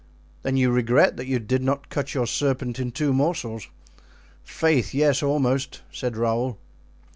"Then you regret that you did not cut your serpent in two morsels?" "Faith, yes, almost," said Raoul.